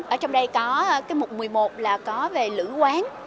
ở trong đây có cái mục một mươi một là có về lữ quán